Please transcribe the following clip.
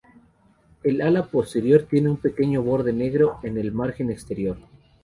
El ala posterior tiene un pequeño borde negro en el margen exterior.